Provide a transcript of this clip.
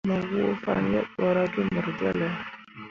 Mo woo fan yeɓ ɓo ra ge mor jolle.